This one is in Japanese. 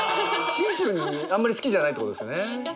シンプルにあんまり好きじゃないってことですね。